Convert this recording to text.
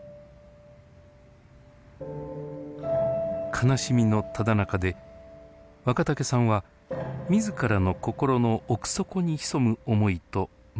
悲しみのただなかで若竹さんは自らの心の奥底に潜む思いと向き合い始めます。